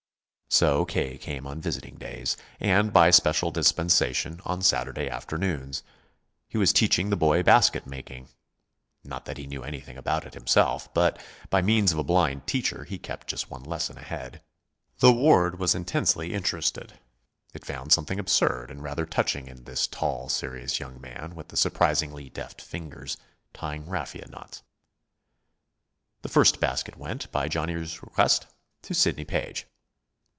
So K. came on visiting days, and, by special dispensation, on Saturday afternoons. He was teaching the boy basket making. Not that he knew anything about it himself; but, by means of a blind teacher, he kept just one lesson ahead. The ward was intensely interested. It found something absurd and rather touching in this tall, serious young man with the surprisingly deft fingers, tying raffia knots. The first basket went, by Johnny's request, to Sidney Page.